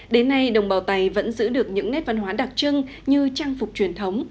đến nay đồng bào tày vẫn giữ được những nét văn hóa đặc trưng như trang phục truyền thống